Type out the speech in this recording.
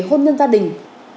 hôn nhân gia đình